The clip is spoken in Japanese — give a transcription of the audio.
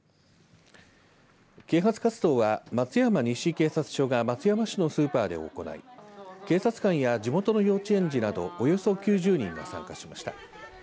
啓発活動は松山西警察署が松山市のスーパーで行い警察官や地元の幼稚園児などおよそ９０人が参加しました。